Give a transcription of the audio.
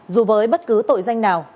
dù với bất cứ tội danh nào